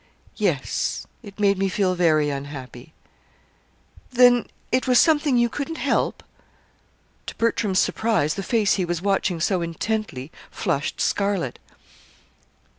"Yes. It made me feel very unhappy." "Then it was something you couldn't help?" To Bertram's surprise, the face he was watching so intently flushed scarlet.